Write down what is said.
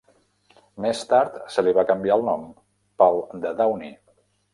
Més tard se li va canviar el nom pel de Downe.